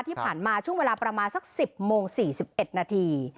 ที่ผ่านมาช่วงเวลาประมาณสัก๑๐โมง๔๑นาที